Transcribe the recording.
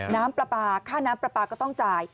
น้ำปลาข้าน้ำปลาก็ต้องจ่าย